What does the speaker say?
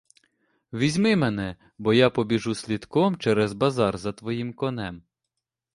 Візьми мене, бо я побіжу слідком через базар за твоїм конем.